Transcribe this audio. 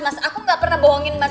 mas aku gak pernah bohongin mas